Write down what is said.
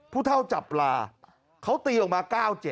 ผู้เท่าจับปลาเขาตีออกมา๙๗